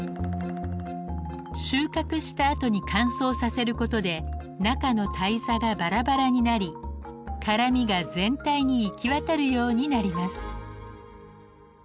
収穫したあとに乾燥させることで中の胎座がバラバラになり辛みが全体に行き渡るようになります。